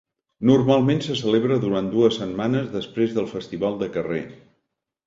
Normalment se celebra durant dues setmanes després del festival de carrer.